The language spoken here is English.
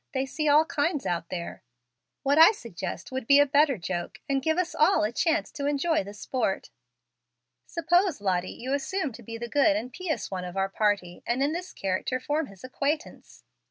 They see all kinds out there. What I suggest would be a better joke, and give us all a chance to enjoy the sport. Suppose, Lottie, you assume to be the good and pious one of our party, and in this character form his acquaintance.